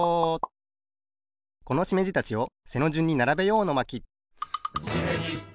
このしめじたちを背のじゅんにならべよう！の巻